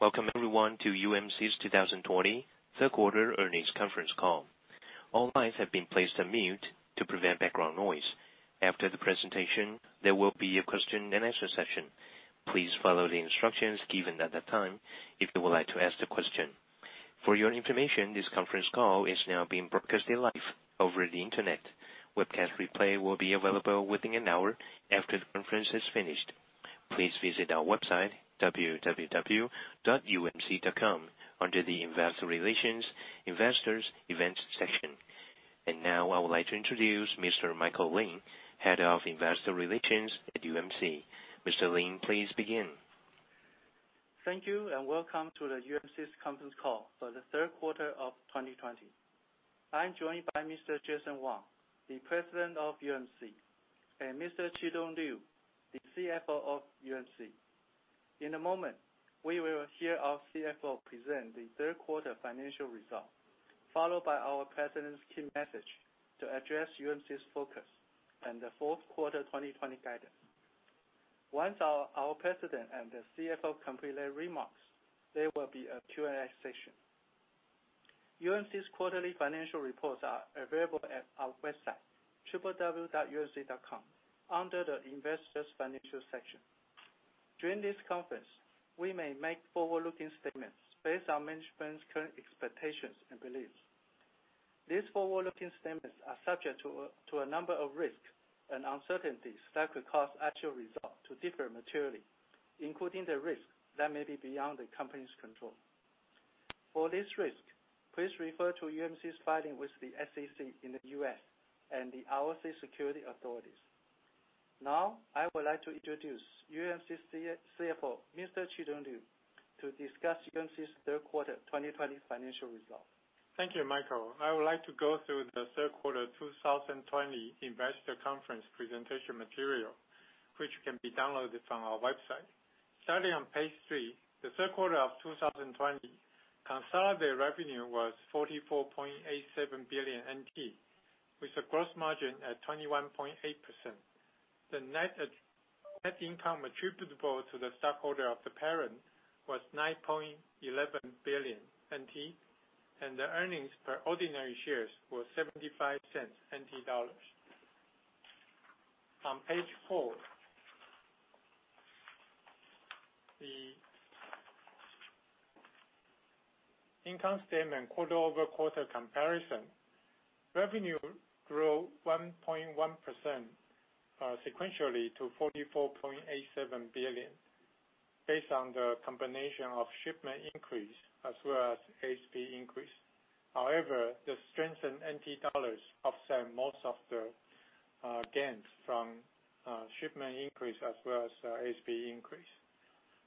Welcome, everyone to UMC's 2020 Third Quarter Earnings Conference Call. All lines have been placed on mute to prevent background noise. After the presentation, there will be a question-and-answer session. Please follow the instructions given at that time if you would like to ask a question. For your information, this conference call is now being broadcast live over the Internet. Webcast replay will be available within an hour after the conference has finished. Please visit our website, www.umc.com, under the Investor Relations, Investors, Events section. And now I would like to introduce Mr. Michael Lin, Head of Investor Relations at UMC. Mr. Lin, please begin. Thank you and welcome to the UMC's Conference Call for the Third Quarter of 2020. I'm joined by Mr. Jason Wang, the President of UMC, and Mr. Chitung Liu, the CFO of UMC. In a moment, we will hear our CFO present the Third Quarter financial results, followed by our President's key message to address UMC's focus and the Fourth Quarter 2020 guidance. Once our President and the CFO complete their remarks, there will be a Q&A session. UMC's quarterly financial reports are available at our website, www.umc.com, under the Investors' Financial section. During this conference, we may make forward-looking statements based on management's current expectations and beliefs. These forward-looking statements are subject to a number of risks and uncertainties that could cause actual results to differ materially, including the risks that may be beyond the company's control. For these risks, please refer to UMC's filing with the SEC in the U.S. and the overseas securities authorities. Now, I would like to introduce UMC's CFO, Mr. Chitung Liu, to discuss UMC's Third Quarter 2020 financial results. Thank you, Michael. I would like to go through the Third Quarter 2020 Investor Conference presentation material, which can be downloaded from our website. Starting on page three, the third quarter of 2020 consolidated revenue was 44.87 billion NT, with a gross margin at 21.8%. The net income attributable to the stockholder of the parent was 9.11 billion NT, and the earnings per ordinary shares were 0.75. On page four, the income statement quarter-over-quarter comparison, revenue grew 1.1% sequentially to 44.87 billion, based on the combination of shipment increase as well as ASP increase. However, the strength in TWD offset most of the gains from shipment increase as well as ASP increase.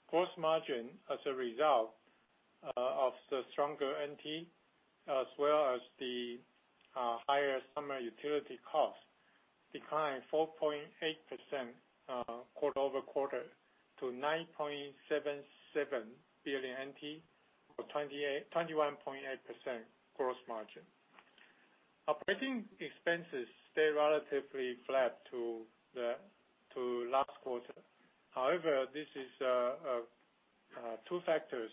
Gross margin, as a result of the stronger TWD as well as the higher summer utility costs, declined 4.8% quarter-over-quarter to TWD 9.77 billion or 21.8% gross margin. Operating expenses stayed relatively flat to last quarter. However, two factors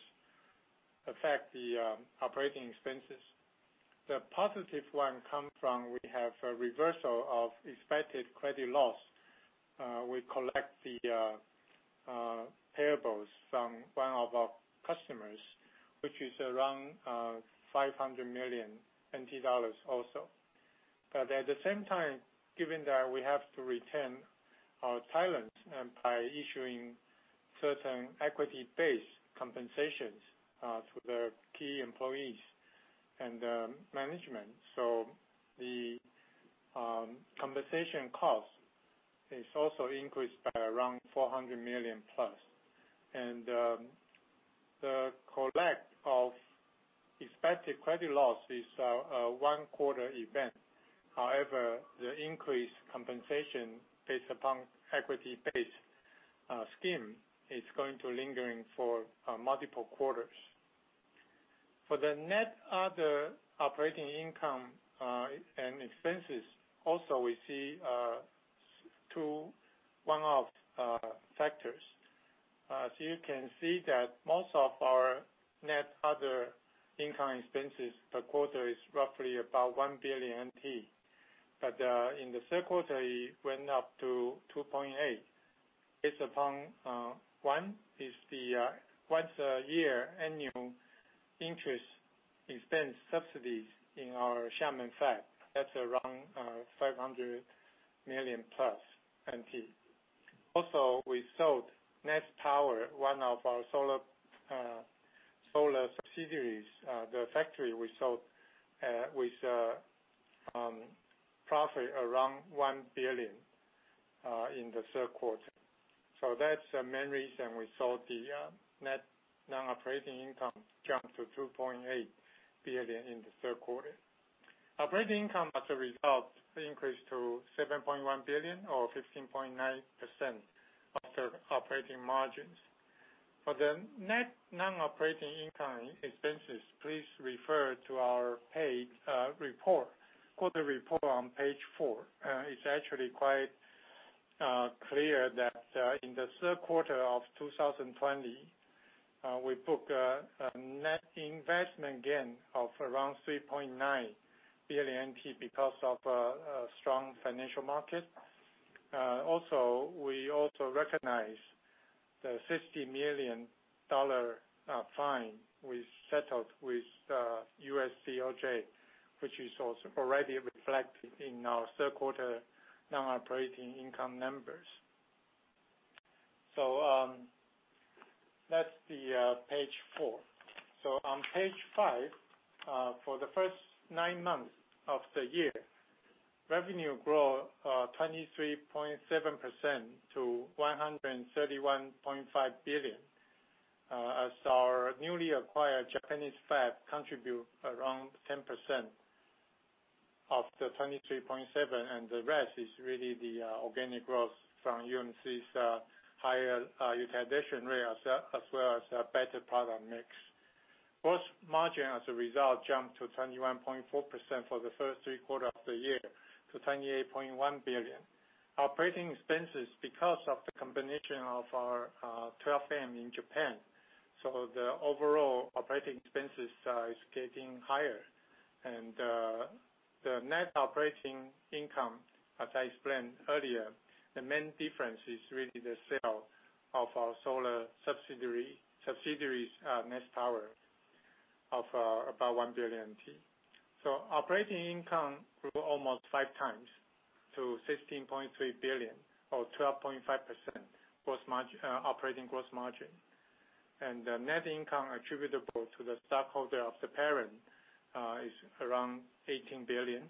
affect the operating expenses. The positive one comes from we have a reversal of expected credit loss. We collection the receivables from one of our customers, which is around 500 million NT dollars or so. But at the same time, given that we have to retain our talents by issuing certain equity-based compensations to the key employees and management, so the compensation cost is also increased by around 400 million plus. And the collect of expected credit loss is a one-quarter event. However, the increased compensation based upon equity-based scheme is going to linger for multiple quarters. For the net other operating income and expenses, also we see one of the factors. You can see that most of our net other income expenses per quarter is roughly about 1 billion NT, but in the third quarter, it went up to 2.8 billion. One is the once-a-year annual interest expense subsidies in our Xiamen Fab. That's around 500+ million. Also, we sold NexPower, one of our solar subsidiaries, the factory we sold, with a profit around 1 billion in the third quarter. That's the main reason we saw the net non-operating income jump to 2.8 billion in the third quarter. Operating income, as a result, increased to 7.1 billion or 15.9% operating margins. For the net non-operating income expenses, please refer to our 8-K report, quarterly report on page four. It's actually quite clear that in the third quarter of 2020, we booked a net investment gain of around 3.9 billion NT because of a strong financial market. Also, we recognized the $60 million fine we settled with U.S. DOJ, which is also already reflected in our third quarter non-operating income numbers. So that's page four. So on page five, for the first nine months of the year, revenue grew 23.7% to TWD 131.5 billion, as our newly acquired Japanese Fab contributed around 10% of the 23.7%, and the rest is really the organic growth from UMC's higher utilization rate, as well as a better product mix. Gross margin, as a result, jumped to 21.4% for the first three quarters of the year, to 28.1 billion. Operating expenses, because of the combination of our 12-inch Fab in Japan, so the overall operating expenses are getting higher. The net operating income, as I explained earlier, the main difference is really the sale of our solar subsidiary, NexPower, of about 1 billion. Operating income grew almost five times to 16.3 billion, or 12.5% operating margin. The net income attributable to the stockholder of the parent is around 18 billion.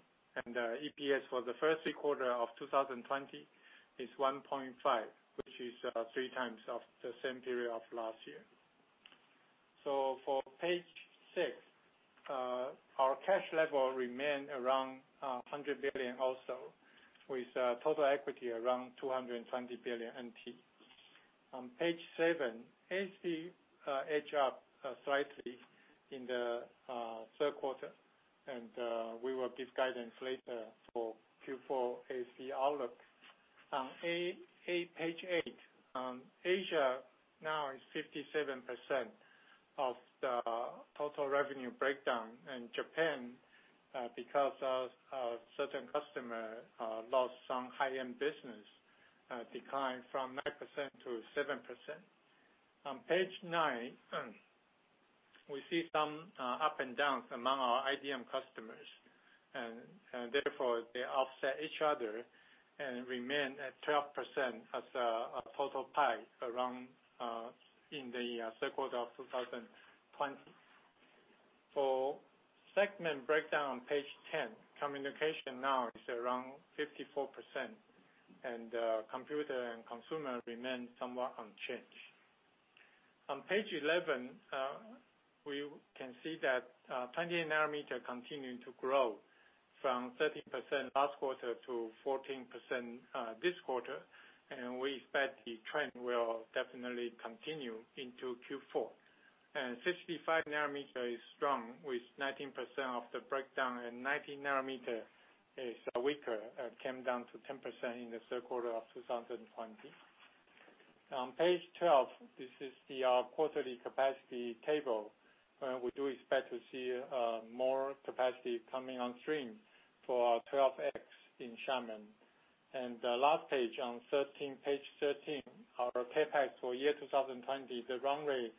The EPS for the first three quarters of 2020 is 1.5, which is three times of the same period of last year. For page six, our cash level remained around 100 billion or so, with total equity around 220 billion NT. On page seven, ASP edged up slightly in the third quarter, and we will give guidance later for Q4 ASP Outlook. On page eight, Asia now is 57% of the total revenue breakdown, and Japan, because of certain customer loss on high-end business, declined from 9% to 7%. On page nine, we see some ups and downs among our IDM customers, and therefore, they offset each other and remain at around 12% as a total pie in the third quarter of 2020. For segment breakdown on page ten, communication now is around 54%, and computer and consumer remain somewhat unchanged. On page eleven, we can see that 28 nm continue to grow from 13% last quarter to 14% this quarter, and we expect the trend will definitely continue into Q4. And 65 nm is strong, with 19% of the breakdown, and 90 nm is weaker and came down to 10% in the third quarter of 2020. On page twelve, this is the quarterly capacity table, and we do expect to see more capacity coming on stream for our 12X in Xiamen. The last page, on page 13, our CapEx for year 2020, the run rate,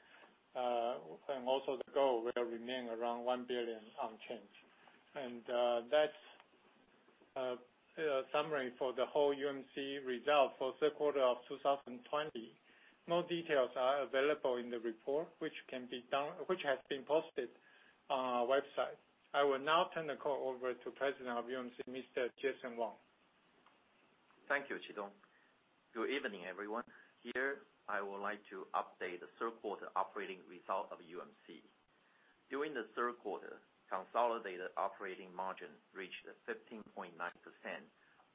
and also the goal will remain around $1 billion unchanged. That's a summary for the whole UMC result for the third quarter of 2020. More details are available in the report, which has been posted on our website. I will now turn the call over to President of UMC, Mr. Jason Wang. Thank you, Chitung. Good evening, everyone. Here, I would like to update the third quarter operating result of UMC. During the third quarter, consolidated operating margin reached 15.9%,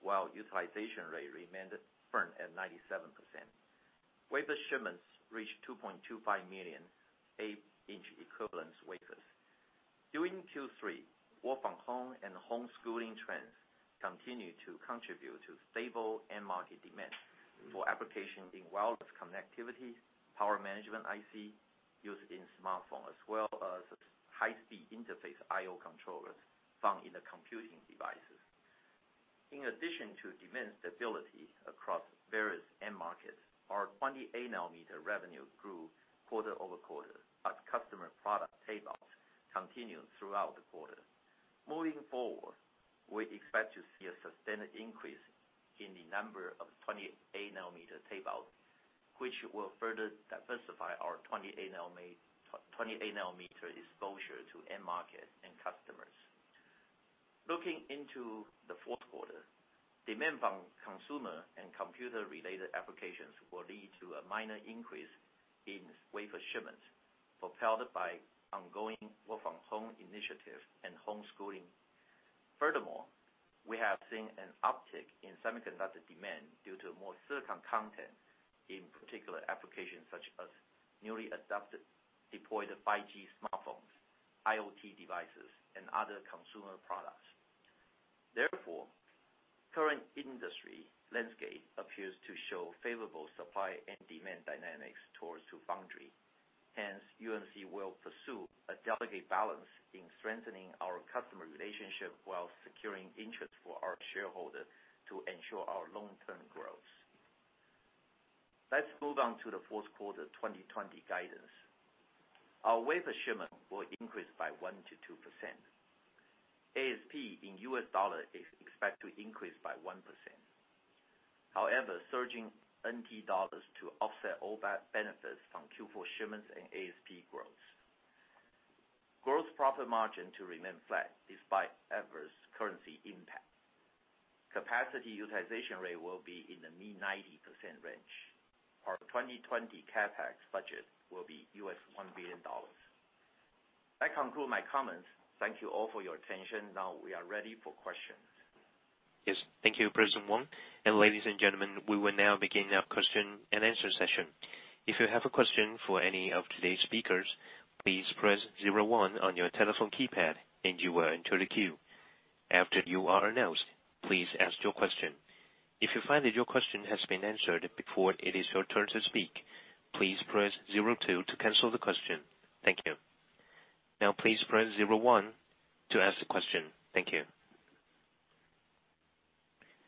while utilization rate remained firm at 97%. Wafer shipments reached 2.25 million, 8-inch equivalent wafers. During Q3, work-from-home and home schooling trends continue to contribute to stable end-market demand for applications in wireless connectivity, power management IC, use in smartphones, as well as high-speed interface I/O controllers found in the computing devices. In addition to demand stability across various end markets, our 28 nm revenue grew quarter-over-quarter, but customer product tape-outs continued throughout the quarter. Moving forward, we expect to see a sustained increase in the number of 28 nm tape-outs, which will further diversify our 28 nm exposure to end markets and customers. Looking into the fourth quarter, demand from consumer and computer-related applications will lead to a minor increase in wafer shipments, propelled by ongoing work-from-home initiatives and home schooling. Furthermore, we have seen an uptick in semiconductor demand due to more silicon content, in particular applications such as newly deployed 5G smartphones, IoT devices, and other consumer products. Therefore, the current industry landscape appears to show favorable supply and demand dynamics towards the foundry. Hence, UMC will pursue a delicate balance in strengthening our customer relationship while securing interest for our shareholders to ensure our long-term growth. Let's move on to the fourth quarter 2020 guidance. Our wafer shipment will increase by 1%-2%. ASP in U.S. dollars is expected to increase by 1%. However, surging TWD to offset all benefits from Q4 shipments and ASP growth. Gross profit margin to remain flat despite adverse currency impact. Capacity utilization rate will be in the mid-90% range. Our 2020 CapEx budget will be $1 billion. That concludes my comments. Thank you all for your attention. Now we are ready for questions. Yes, thank you, President Wang, and ladies and gentlemen, we will now begin our question-and-answer session.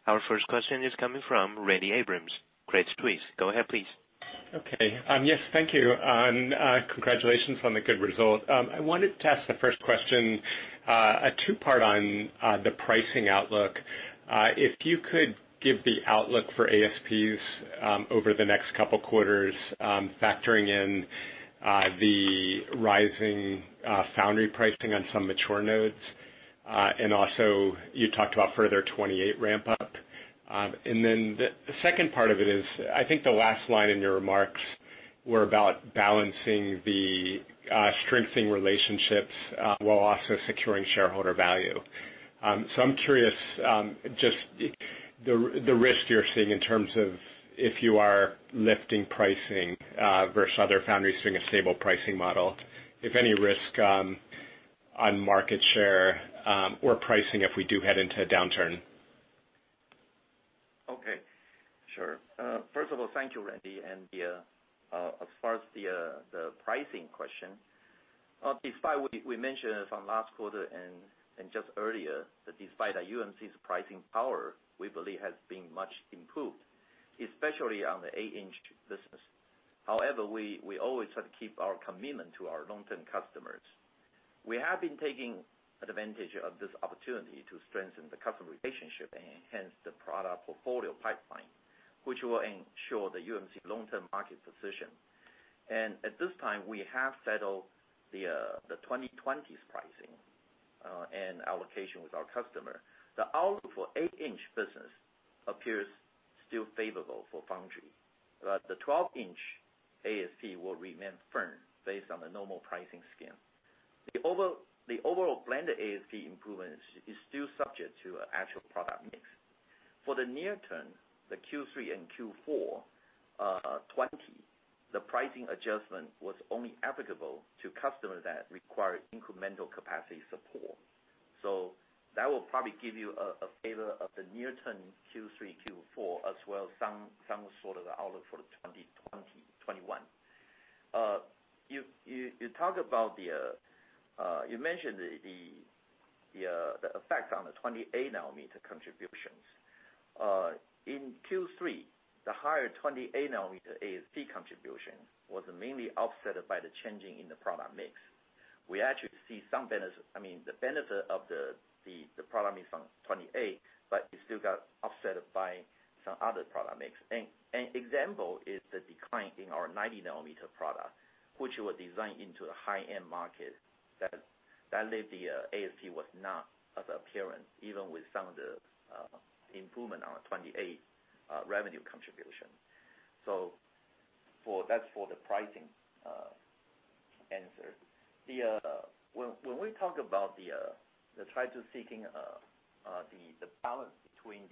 Our first question is coming from Randy Abrams, Credit Suisse. Go ahead, please. Okay. Yes, thank you. And congratulations on the good result. I wanted to ask the first question a two-part on the pricing outlook. If you could give the outlook for ASPs over the next couple of quarters, factoring in the rising foundry pricing on some mature nodes, and also, you talked about further 28 ramp-up. And then the second part of it is, I think the last line in your remarks were about balancing the strengthening relationships while also securing shareholder value. So I'm curious just the risk you're seeing in terms of if you are lifting pricing versus other foundries doing a stable pricing model, if any risk on market share or pricing if we do head into a downturn. Okay. Sure. First of all, thank you, Randy. And as far as the pricing question, despite we mentioned from last quarter and just earlier that despite UMC's pricing power, we believe has been much improved, especially on the 8-inch business. However, we always try to keep our commitment to our long-term customers. We have been taking advantage of this opportunity to strengthen the customer relationship and enhance the product portfolio pipeline, which will ensure the UMC long-term market position. And at this time, we have settled the 2020 pricing and allocation with our customer. The outlook for 8-inch business appears still favorable for foundry, but the 12-inch ASP will remain firm based on the normal pricing scheme. The overall blended ASP improvement is still subject to actual product mix. For the near term, the Q3 and Q4 2020, the pricing adjustment was only applicable to customers that require incremental capacity support. So that will probably give you a flavor of the near-term Q3, Q4, as well as some sort of outlook for the 2020, 2021. You mentioned the effect on the 28 nm contributions. In Q3, the higher 28 nm ASP contribution was mainly offset by the change in the product mix. We actually see some benefit, I mean, the benefit of the product mix from 28 nm, but it's still got offset by some other product mix. An example is the decline in our 90 nm product, which was designed into a high-end market that led the ASP was not apparent, even with some of the improvement on the 28 nm revenue contribution. So that's for the pricing answer. When we talk about trying to seek the balance between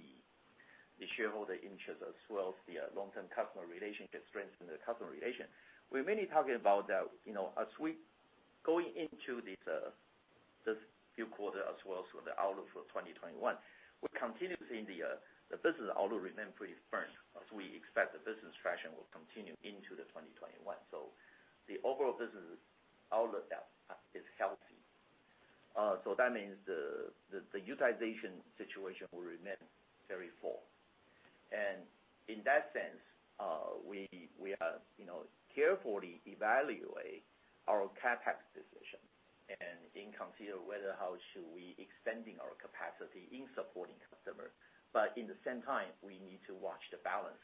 the shareholder interest as well as the long-term customer relationship, strengthening the customer relation, we mainly talk about that as we going into this few quarters as well as the outlook for 2021, we continue seeing the business outlook remain pretty firm, as we expect the business traction will continue into the 2021. So the overall business outlook is healthy. So that means the utilization situation will remain very full. And in that sense, we carefully evaluate our CapEx decision and in consider whether or how should we extend our capacity in supporting customers. But in the same time, we need to watch the balance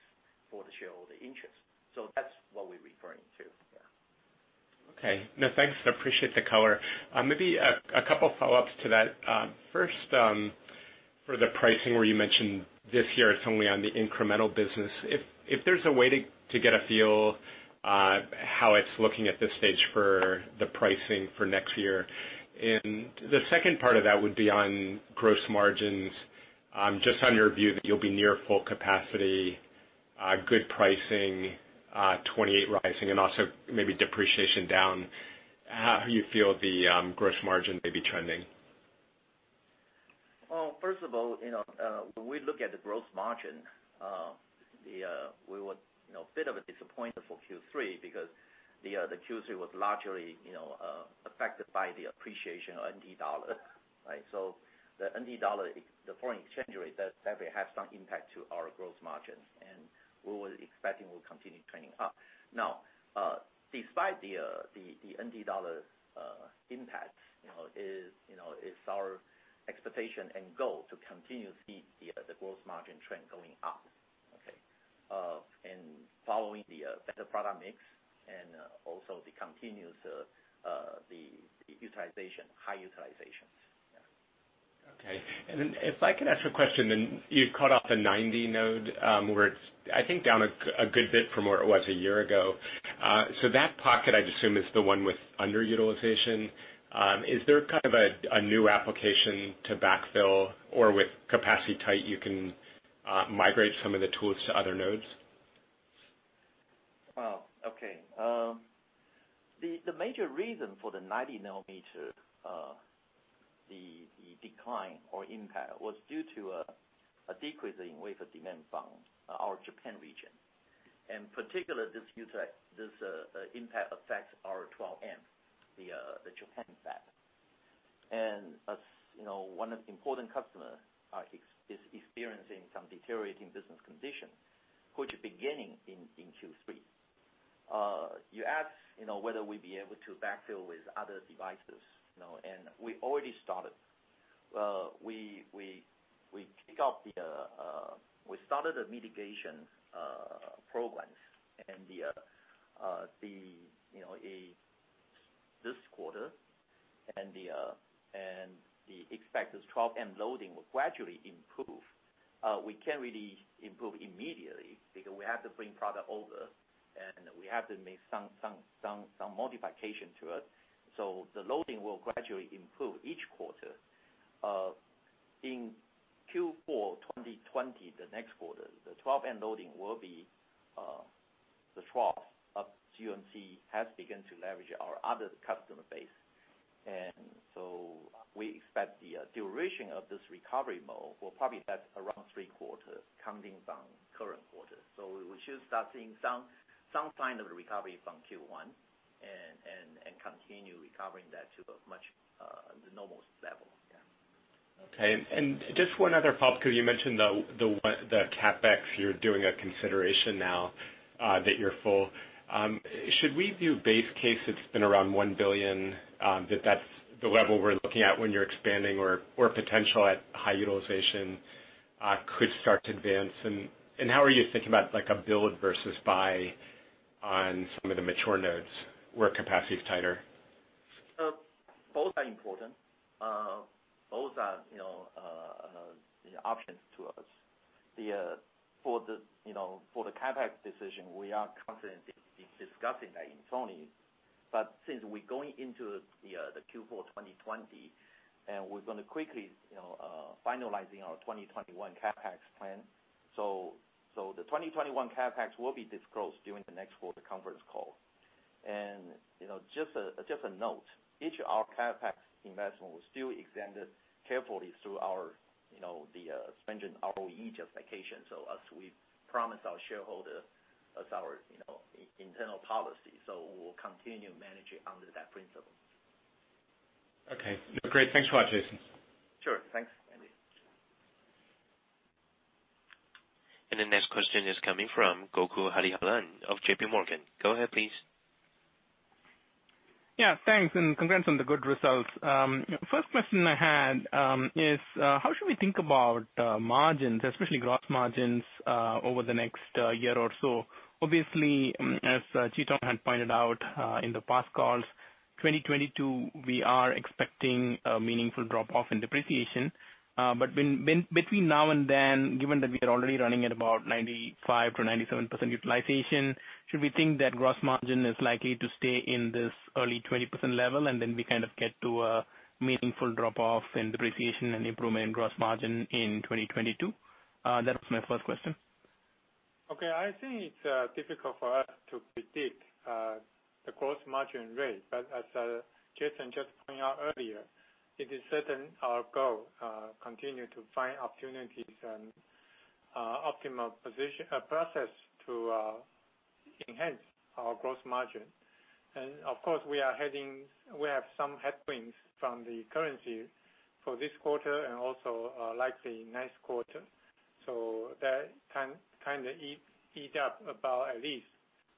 for the shareholder interest. So that's what we're referring to. Yeah. Okay. No, thanks. I appreciate the color. Maybe a couple of follow-ups to that. First, for the pricing where you mentioned this year, it's only on the incremental business. If there's a way to get a feel how it's looking at this stage for the pricing for next year? And the second part of that would be on gross margins, just on your view that you'll be near full capacity, good pricing, 28 nm rising, and also maybe depreciation down. How do you feel the gross margin may be trending? Well, first of all, when we look at the gross margin, we were a bit of a disappointment for Q3 because the Q3 was largely affected by the appreciation of TWD. Right? So the TWD, the foreign exchange rate, that will have some impact to our gross margin, and we were expecting will continue trending up. Now, despite the TWD impact, it's our expectation and goal to continue to see the gross margin trend going up, okay, and following the better product mix and also the continuous utilization, high utilizations. Yeah. Okay. And if I can ask a question, then you called out the 90 nm node where it's, I think, down a good bit from where it was a year ago. So that pocket, I'd assume, is the one with underutilization. Is there kind of a new application to backfill, or with capacity tight, you can migrate some of the tools to other nodes? Wow. Okay. The major reason for the 90 nm decline or impact was due to a decrease in wafer demand found in our Japan region. Particularly, this impact affects our 12M, the Japan Fab. One important customer is experiencing some deteriorating business condition, which is beginning in Q3. You ask whether we'd be able to backfill with other devices, and we already started. We kicked off the mitigation programs and this quarter, and the expected 12M loading will gradually improve. We can't really improve immediately because we have to bring product over, and we have to make some modification to it. The loading will gradually improve each quarter. In Q4 2020, the next quarter, the 12M loading will be the trough. UMC has begun to leverage our other customer base. And so we expect the duration of this recovery mode will probably be around three quarters, counting from current quarter. So we should start seeing some sign of recovery from Q1 and continue recovering that to a much normal level. Yeah. Okay. And just one other follow-up. Because you mentioned the CapEx, you're doing a consideration now that you're full. Should we do base case? It's been around $1 billion, that's the level we're looking at when you're expanding, or potential at high utilization could start to advance? And how are you thinking about a build versus buy on some of the mature nodes where capacity is tighter? Both are important. Both are options to us. For the CapEx decision, we are confident in discussing that in Q4, but since we're going into the Q4 2020, and we're going to quickly finalize our 2021 CapEx plan, so the 2021 CapEx will be disclosed during the next quarter conference call, and just a note, each of our CapEx investments will still be examined carefully through the ROE justification, so as we promised our shareholders, as our internal policy, so we'll continue managing under that principle. Okay. Great. Thanks a lot, Jason. Sure. Thanks, Randy. The next question is coming from Gokul Hariharan of JPMorgan. Go ahead, please. Yeah. Thanks. And congrats on the good results. First question I had is, how should we think about margins, especially gross margins, over the next year or so? Obviously, as Chitung had pointed out in the past calls, 2022, we are expecting a meaningful drop-off in depreciation. But between now and then, given that we are already running at about 95%-97% utilization, should we think that gross margin is likely to stay in this early 20% level, and then we kind of get to a meaningful drop-off in depreciation and improvement in gross margin in 2022? That was my first question. Okay. I think it's difficult for us to predict the gross margin rate. But as Jason just pointed out earlier, it is certain our goal is to continue to find opportunities and optimal process to enhance our gross margin. And of course, we have some headwinds from the currency for this quarter and also likely next quarter. So that kind of eats up about at least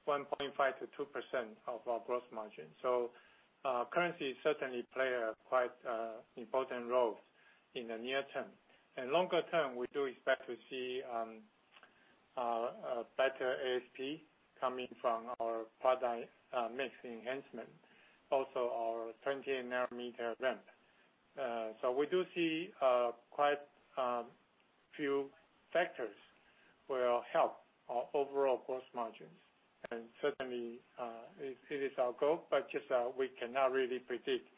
1.5%-2% of our gross margin. So currency certainly plays a quite important role in the near term. And longer term, we do expect to see better ASP coming from our product mix enhancement, also our 28 nm ramp. So we do see quite a few factors will help our overall gross margins. And certainly, it is our goal, but just we cannot really predict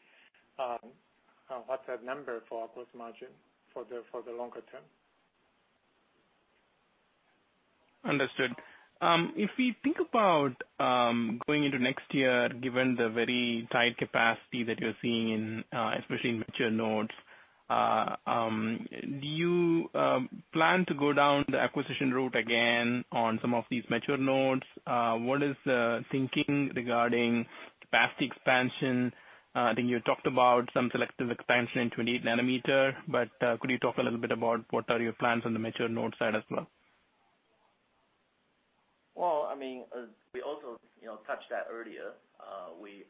what the number for our gross margin for the longer term. Understood. If we think about going into next year, given the very tight capacity that you're seeing, especially in mature nodes, do you plan to go down the acquisition route again on some of these mature nodes? What is the thinking regarding capacity expansion? I think you talked about some selective expansion in 28 nm. But could you talk a little bit about what are your plans on the mature node side as well? I mean, we also touched that earlier. We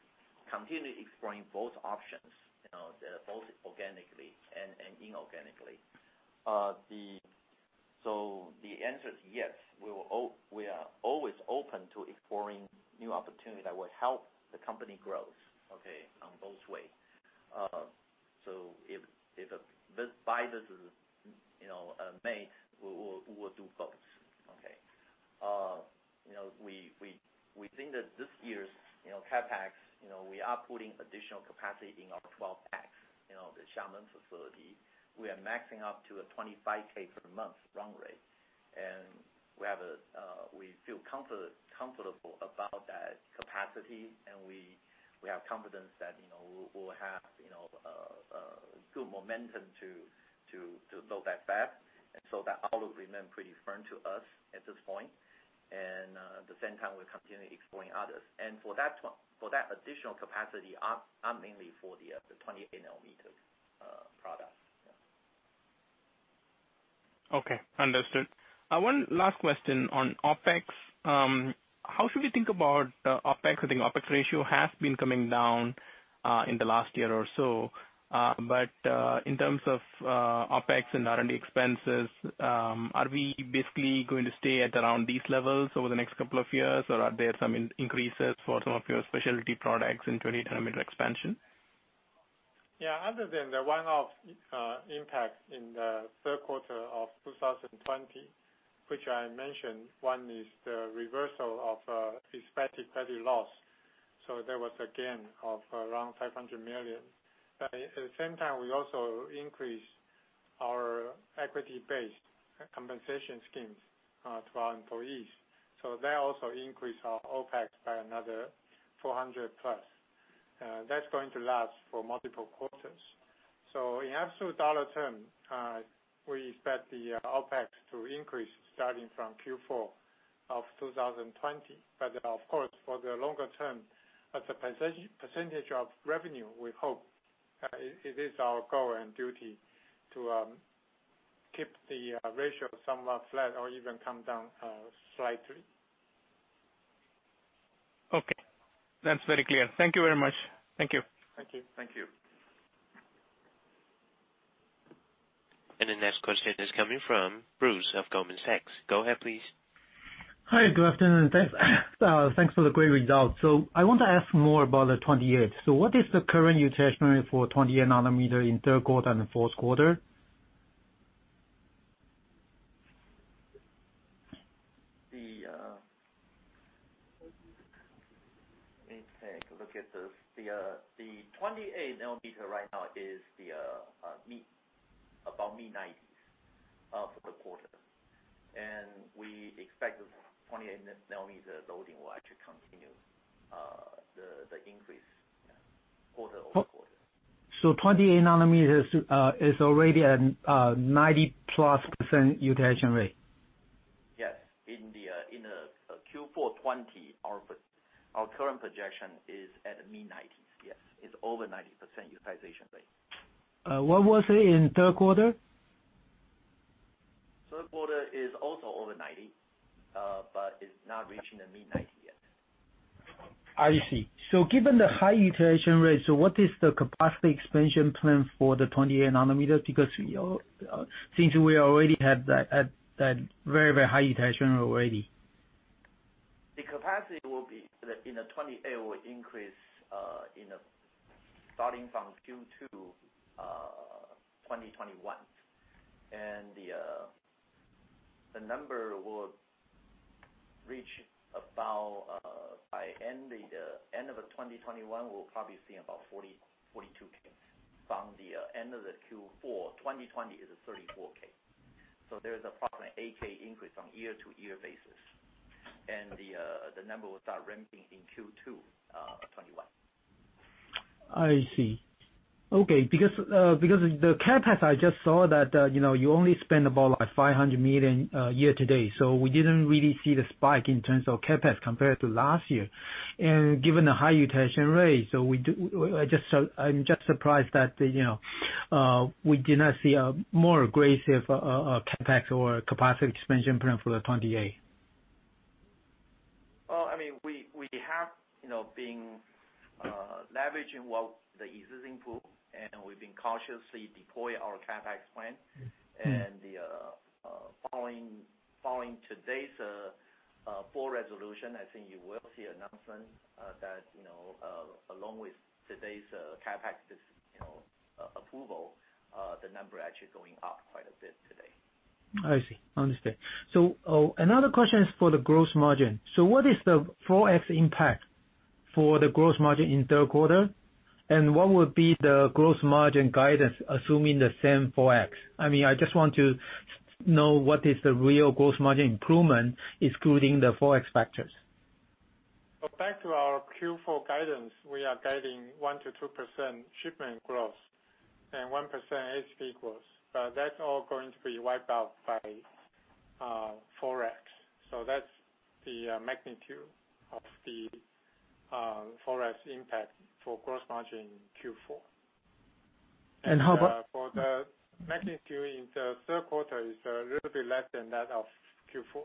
continue exploring both options, both organically and inorganically. So the answer is yes. We are always open to exploring new opportunities that will help the company grow, okay, on both ways. So if a buyout is made, we will do both. Okay. We think that this year's CapEx, we are putting additional capacity in our 12X, the Xiamen facility. We are ramping up to a 25,000 per month run rate. And we feel comfortable about that capacity, and we have confidence that we will have good momentum to build that Fab. And so that outlook remains pretty firm to us at this point. And at the same time, we'll continue to explore others. And for that additional capacity, mainly for the 28 nm products. Yeah. Okay. Understood. One last question on OpEx. How should we think about OpEx? I think OpEx ratio has been coming down in the last year or so. But in terms of OpEx and R&D expenses, are we basically going to stay at around these levels over the next couple of years, or are there some increases for some of your specialty products in 28 nm expansion? Yeah. Other than the one-off impact in the third quarter of 2020, which I mentioned, one is the reversal of expected credit loss. So there was a gain of around 500 million. At the same time, we also increased our equity-based compensation schemes to our employees. So that also increased our OpEx by another 400+ million. That's going to last for multiple quarters. So in absolute dollar term, we expect the OpEx to increase starting from Q4 of 2020. But of course, for the longer term, as a percentage of revenue, we hope it is our goal and duty to keep the ratio somewhat flat or even come down slightly. Okay. That's very clear. Thank you very much. Thank you. Thank you. Thank you. And the next question is coming from Bruce Lu of Goldman Sachs. Go ahead, please. Hi. Good afternoon. Thanks for the great results. I want to ask more about the 28 nm. What is the current utility for 28 nm in third quarter and the fourth quarter? Let me take a look at this. The 28 nm right now is about mid-90s for the quarter, and we expect the 28 nm loading will actually continue the increase quarter over quarter. 28 nm is already a +90% utilization rate. Yes. In Q4 2020, our current projection is at mid-90s. Yes. It's over 90% utilization rate. What was it in third quarter? Third quarter is also over 90, but it's not reaching the mid-90 yet. I see. So, given the high utilization rate, what is the capacity expansion plan for the 28 nm? Because since we already have that very, very high utilization rate already. The capacity will be in the 28 nm will increase starting from Q2 2021. The number will reach about by end of 2021. We'll probably see about 42,000. From the end of Q4 2020, it's 34,000. There's approximately 8,000 increase on year-to-year basis. The number will start ramping in Q2 2021. I see. Okay. Because the CapEx, I just saw that you only spent about 500 million year-to-date. So we didn't really see the spike in terms of CapEx compared to last year. And given the high utilization rate, so I'm just surprised that we did not see a more aggressive CapEx or capacity expansion plan for the 28 nm. I mean, we have been leveraging the existing pool, and we've been cautiously deploying our CapEx plan. Following today's full resolution, I think you will see an announcement that along with today's CapEx approval, the number is actually going up quite a bit today. I see. Understood. So another question is for the gross margin. So what is the forex impact for the gross margin in third quarter? And what will be the gross margin guidance, assuming the same forex? I mean, I just want to know what is the real gross margin improvement, excluding the forex factors. So back to our Q4 guidance, we are guiding 1%-2% shipment growth and 1% ASP growth. But that's all going to be wiped out by forex. So that's the magnitude of the forex impact for gross margin Q4. How about? But for the magnitude in the third quarter, it's a little bit less than that of Q4.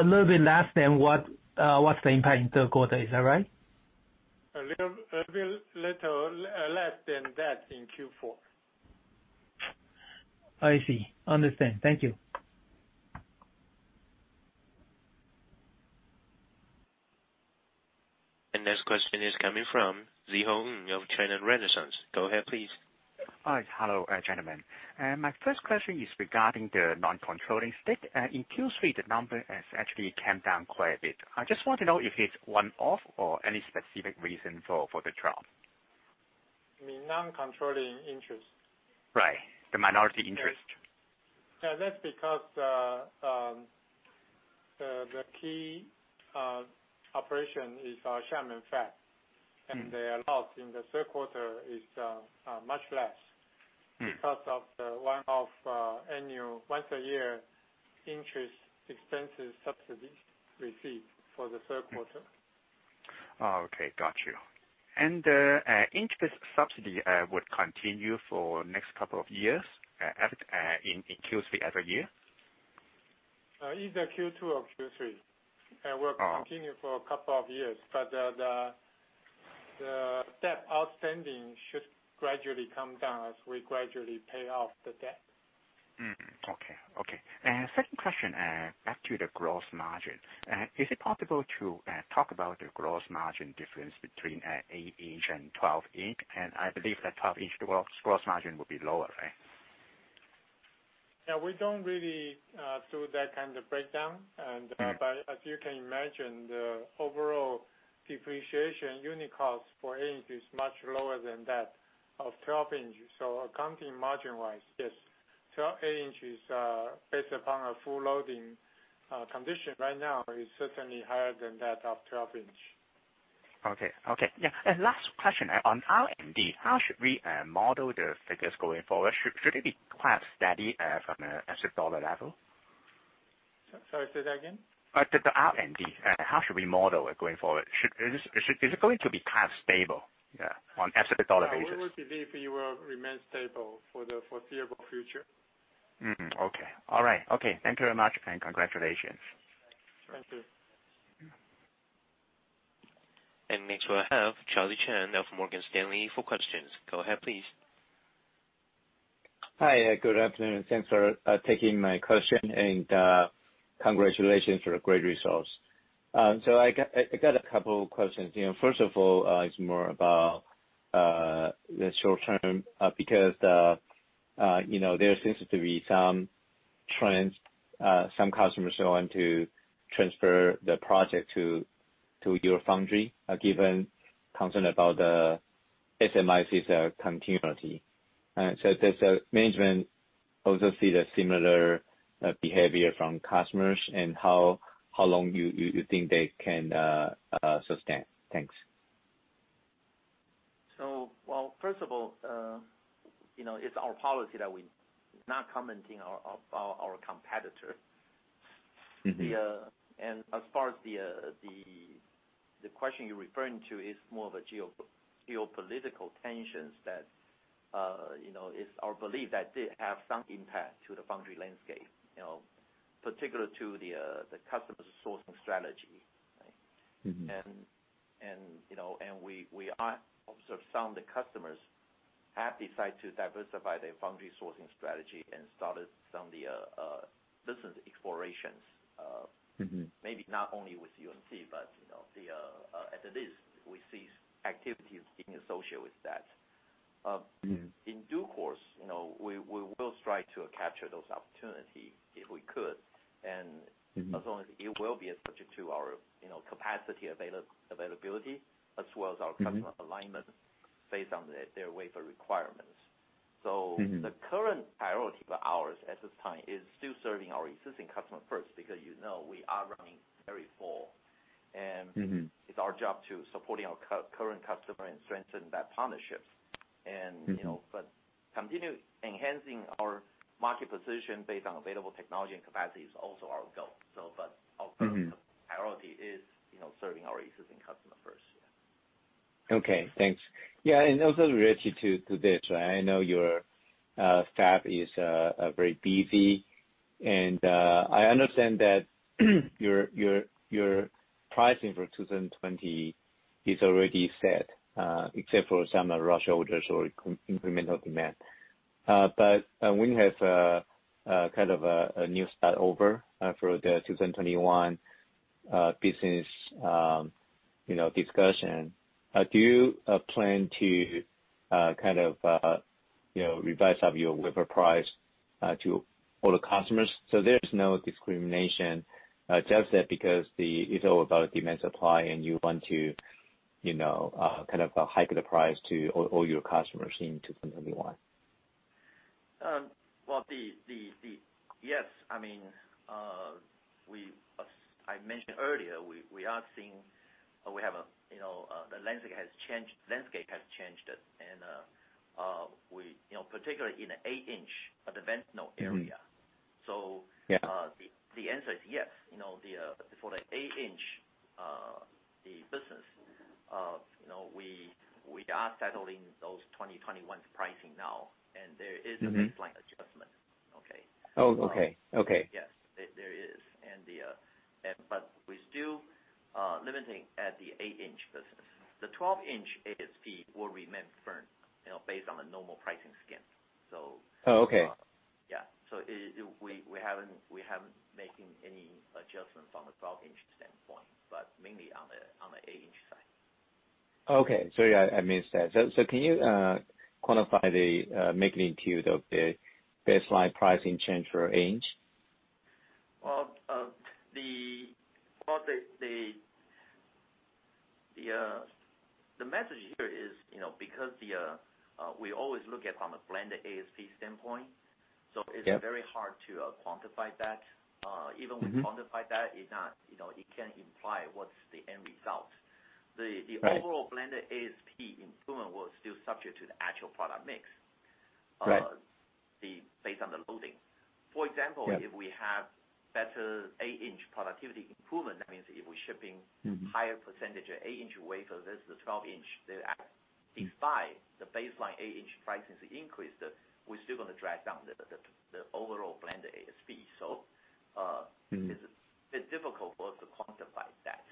A little bit less than what? What's the impact in third quarter? Is that right? A little less than that in Q4. I see. Understood. Thank you. The next question is coming from Szeho Ng of China Renaissance. Go ahead, please. Hi, hello, gentlemen. My first question is regarding the non-controlling stake. In Q3, the number has actually come down quite a bit. I just want to know if it's one-off or any specific reason for the drop. I mean, non-controlling interest. Right. The minority interest. Yeah. That's because the key operation is our Xiamen Fab, and the loss in the third quarter is much less because of the one-off annual once-a-year interest expenses subsidies received for the third quarter. Okay. Got you. And the interest subsidy would continue for the next couple of years in Q3 every year? Either Q2 or Q3. It will continue for a couple of years, but the debt outstanding should gradually come down as we gradually pay off the debt. Okay. Okay. And second question, back to the gross margin. Is it possible to talk about the gross margin difference between 8-inch and 12-inch? And I believe that 12-inch gross margin will be lower, right? Yeah. We don't really do that kind of breakdown. But as you can imagine, the overall depreciation unit cost for 8-inch is much lower than that of 12-inch. So accounting margin-wise, yes. 8-inch is based upon a full loading condition right now is certainly higher than that of 12-inch. Okay. Yeah, and last question on R&D. How should we model the figures going forward? Should it be quite steady from an absolute dollar level? Sorry. Say that again. The R&D, how should we model it going forward? Is it going to be kind of stable on absolute dollar basis? I would believe it will remain stable for the foreseeable future. Okay. All right. Okay. Thank you very much. And congratulations. Thank you. Next, we have Charlie Chan of Morgan Stanley for questions. Go ahead, please. Hi. Good afternoon. Thanks for taking my question, and congratulations for the great results, so I got a couple of questions. First of all, it's more about the short-term because there seems to be some trends. Some customers want to transfer the project to your foundry, given concern about the SMIC's continuity, so does the management also see the similar behavior from customers, and how long you think they can sustain? Thanks. First of all, it's our policy that we're not commenting on our competitor. As far as the question you're referring to, it's more of geopolitical tensions that it's our belief that they have some impact to the foundry landscape, particularly to the customer's sourcing strategy. We also saw the customers have decided to diversify their foundry sourcing strategy and started some business explorations, maybe not only with UMC, but at least we see activities being associated with that. In due course, we will strive to capture those opportunities if we could. It will be subject to our capacity availability as well as our customer alignment based on their wafer requirements. The current priority of ours at this time is still serving our existing customer first because we are running very full. And it's our job to support our current customer and strengthen that partnership. And continue enhancing our market position based on available technology and capacity is also our goal. But our current priority is serving our existing customer first. Okay. Thanks. Yeah. And also related to this, I know your Fab is very busy. And I understand that your pricing for 2020 is already set, except for some rush orders or incremental demand. But we have kind of a new start over for the 2021 business discussion. Do you plan to kind of revise your wafer price to all the customers? So there's no discrimination, just because it's all about demand supply, and you want to kind of hike the price to all your customers in 2021. Yes. I mean, I mentioned earlier, we are seeing the landscape has changed, particularly in the 8-inch advanced node area. The answer is yes. For the 8-inch business, we are settling those 2021 pricing now, and there is a baseline adjustment. Okay? Oh, okay. Okay. Yes. There is. But we're still limiting at the 8-inch business. The 12-inch ASP will remain firm based on the normal pricing scheme. So yeah. So we haven't made any adjustments from the 12-inch standpoint, but mainly on the 8-inch side. Okay. So yeah, I missed that. So can you quantify the magnitude of the baseline pricing change for 8-inch? The message here is because we always look at from a blended ASP standpoint. So it's very hard to quantify that. Even when we quantify that, it can't imply what's the end result. The overall blended ASP improvement will still subject to the actual product mix based on the loading. For example, if we have better 8-inch productivity improvement, that means if we're shipping higher percentage of 8-inch wafer versus the 12-inch, despite the baseline 8-inch pricing increase, we're still going to drag down the overall blended ASP. So it's difficult for us to quantify that.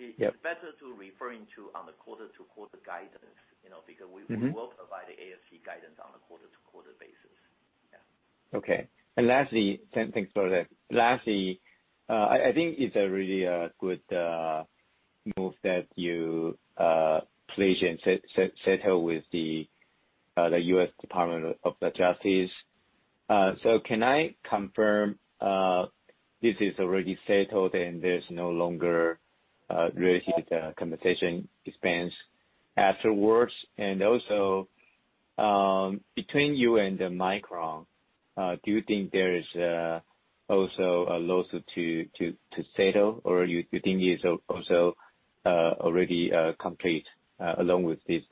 It's better to refer to on the quarter-to-quarter guidance because we will provide the ASP guidance on a quarter-to-quarter basis. Yeah. Okay. And lastly, thanks for that. Lastly, I think it's a really good move that you please settle with the U.S. Department of Justice. So, can I confirm this is already settled, and there's no longer related contingent expense afterwards? And also, between you and Micron, do you think there is also a lawsuit to settle, or do you think it's also already complete along with this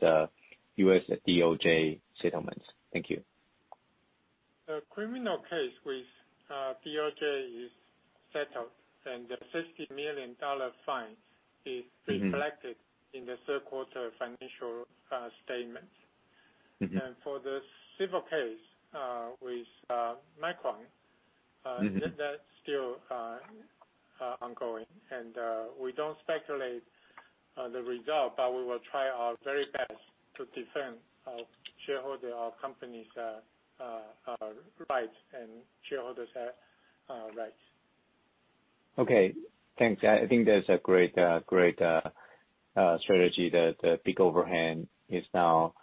U.S. DOJ settlement? Thank you. The criminal case with DOJ is settled, and the $60 million fine is reflected in the third quarter financial statement, and for the civil case with Micron that's still ongoing, and we don't speculate the result, but we will try our very best to defend our shareholders, our company's rights, and shareholders' rights. Okay. Thanks. I think that's a great strategy. The big overhang is now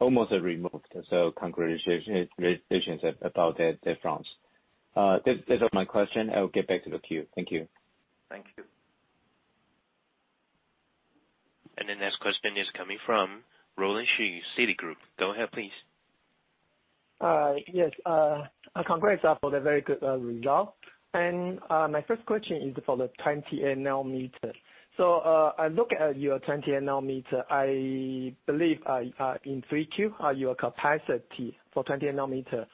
almost removed. So congratulations about that, front. That's all my question. I'll get back to the queue. Thank you. Thank you. The next question is coming from Roland Shu, Citigroup. Go ahead, please. Yes. Congrats for the very good result. My first question is for 28 nm. so I look at 28 nm. i believe in 3Q, your capacity 28 nm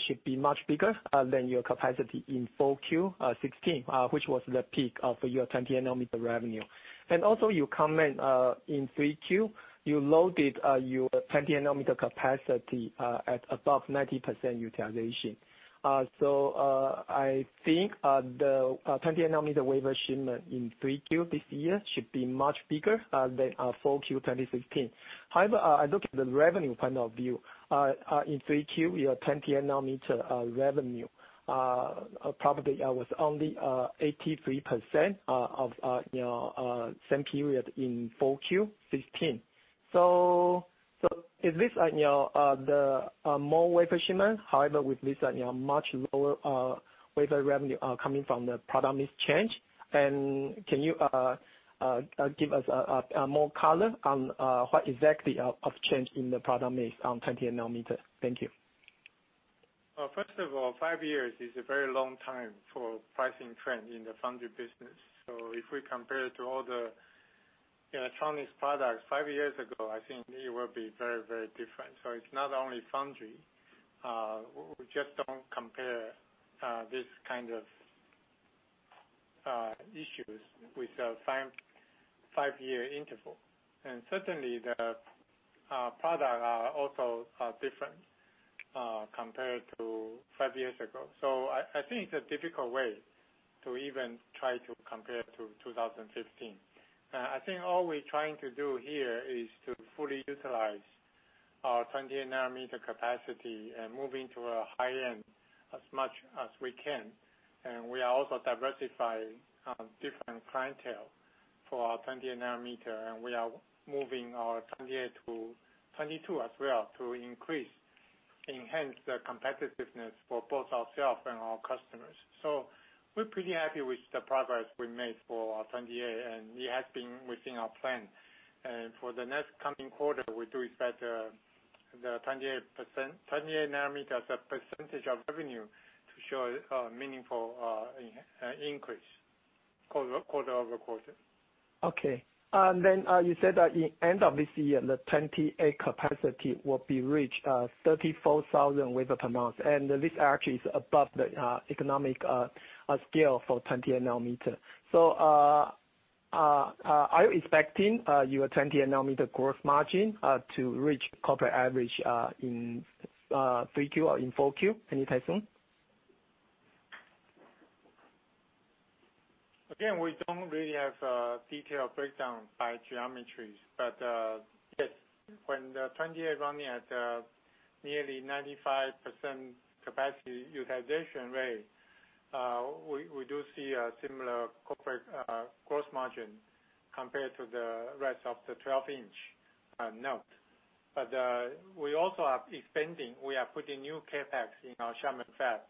should be much bigger than your capacity in 4Q 2016, which was the peak of 28 nm revenue. You comment in 3Q, you loaded 28 nm capacity at above 90% utilization. I think 28 nm wafer shipment in 3Q this year should be much bigger than 4Q 2015. However, I look at the revenue point of view. In 3Q, 28 nm revenue probably was only 83% of same period in 4Q 2015. Is this the more wafer shipment? However, with this, much lower wafer revenue coming from the product mix change? Can you give us more color on what exactly of change in the product mix 28 nm? thank you. First of all, five years is a very long time for pricing trend in the foundry business. So if we compare it to all the electronics products five years ago, I think it will be very, very different. So it's not only foundry. We just don't compare this kind of issues with a five-year interval. And certainly, the products are also different compared to five years ago. So I think it's a difficult way to even try to compare to 2015. I think all we're trying to do here is to fully utilize 28 nm capacity and move into a high-end as much as we can. And we are also diversifying different clientele for 28 nm. and we are moving our 28 to 22 as well to enhance the competitiveness for both ourselves and our customers. So we're pretty happy with the progress we made for our 28. It has been within our plan. For the next coming quarter, we do expect the 28 nm as a percentage of revenue to show a meaningful increase quarter over quarter. Okay. And then you said that at the end of this year, the 28 capacity will reach 34,000 wafers per month. And this actually is above the economic scale 28 nm. so are you expecting 28 nm gross margin to reach corporate average in 3Q or in 4Q? Any timeline? Again, we don't really have a detailed breakdown by geometries. But yes, when the 28 running at nearly 95% capacity utilization rate, we do see a similar corporate gross margin compared to the rest of the 12-inch node. But we also are expanding. We are putting new CapEx in our Xiamen Fab,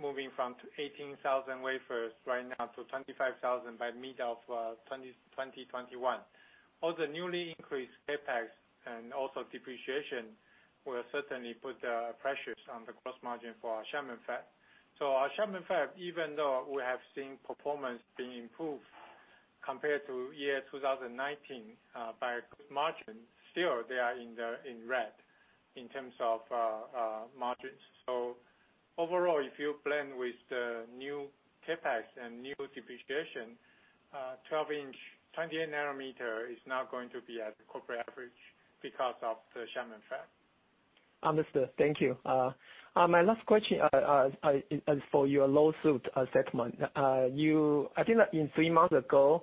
moving from 18,000 wafers right now to 25,000 by mid of 2021. All the newly increased CapEx and also depreciation will certainly put pressures on the gross margin for our Xiamen Fab. So our Xiamen Fab, even though we have seen performance being improved compared to year 2019 by gross margin, still they are in red in terms of margins. So overall, if you blend with the new CapEx and new depreciation, 12-inch 28 nm is not going to be at the corporate average because of the Xiamen Fab. Understood. Thank you. My last question is for your lawsuit settlement. I think that in three months ago,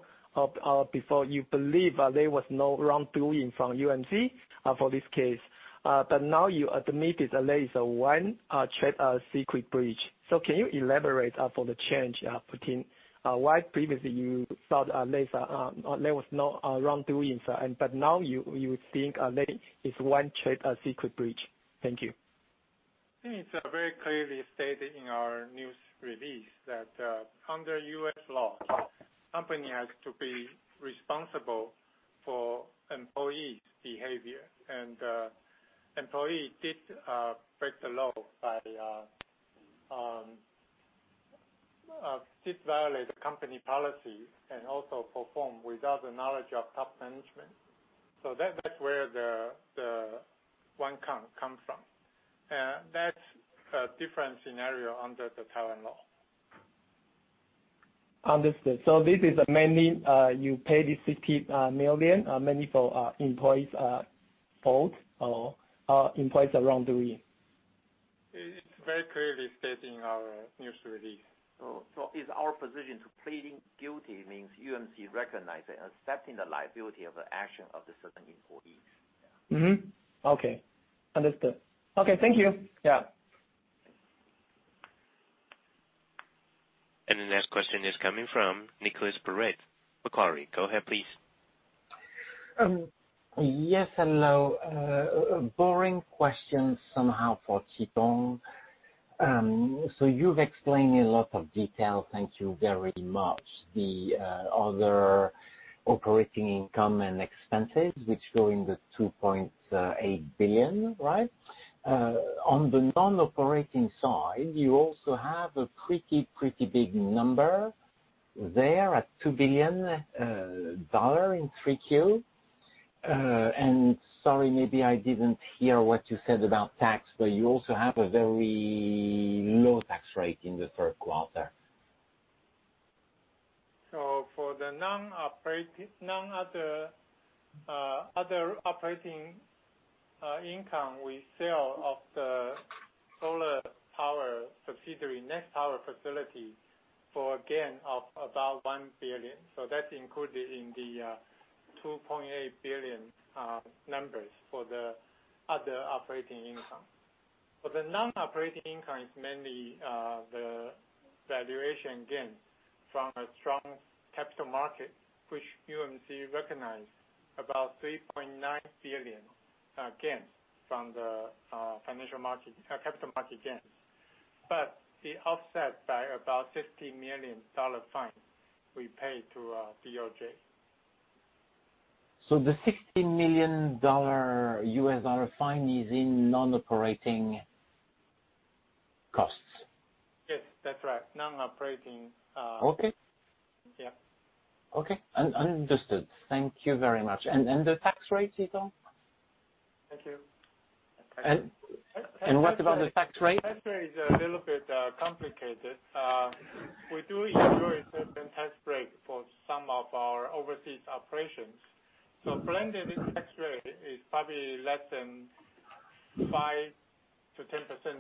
before, you believe there was no wrongdoing from UMC for this case. But now you admitted there is one trade secret breach. So, can you elaborate for the change, why previously you thought there was no wrongdoing, but now you think there is one trade secret breach? Thank you. It's very clearly stated in our news release that under U.S. law, the company has to be responsible for employees' behavior. And the employee did break the law by violating the company policy and also performed without the knowledge of top management. So that's where the one-time comes from. And that's a different scenario under the Taiwan law. Understood, so this is mainly you paid this $15 million, mainly for employees' fault or employees' wrongdoing? It's very clearly stated in our news release. So it's our position that pleading guilty means UMC recognized and accepted the liability for the actions of certain employees. Okay. Understood. Okay. Thank you. Yeah. The next question is coming from Nicolas Baratte, Macquarie. Go ahead, please. Yes. Hello. Boring question, somehow, for Chitung. So you've explained in lots of detail. Thank you very much. The other operating income and expenses, which go in the 2.8 billion, right? On the non-operating side, you also have a pretty, pretty big number there at $2 billion in 3Q. And sorry, maybe I didn't hear what you said about tax, but you also have a very low tax rate in the third quarter. So, for the non-operating income, we sale of the solar power subsidiary NexPower for a gain of about 1 billion. So that's included in the 2.8 billion numbers for the other operating income. For the non-operating income, it's mainly the valuation gain from a strong capital market, which UMC recognized about 3.9 billion gains from the capital market gains. But the offset by about $60 million fine we paid to DOJ. So the $60 million fine is in non-operating costs? Yes. That's right. Non-operating. Okay. Understood. Thank you very much, and the tax rate, Chitung? Thank you. What about the tax rate? Tax rate is a little bit complicated. We do enjoy a certain tax break for some of our overseas operations. So blended tax rate is probably less than 5%-10%